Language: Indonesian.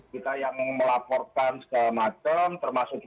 kita yang melaporkan segala macam termasuk kita sempat ketemu dengan komisi tni